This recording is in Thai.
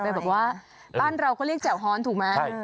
เป็นการเรียกเจ๋วหอม